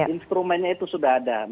instrumennya itu sudah ada